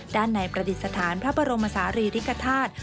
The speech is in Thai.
ด้านในประดิษฐานพระบรมศาลีริกฐาตุ